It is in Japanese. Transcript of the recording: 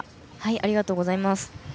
ありがとうございます。